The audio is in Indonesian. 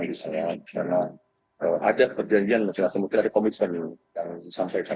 misalnya karena ada perjanjian mungkin ada komitmen yang disampaikan